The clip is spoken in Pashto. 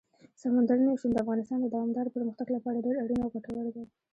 سمندر نه شتون د افغانستان د دوامداره پرمختګ لپاره ډېر اړین او ګټور دی.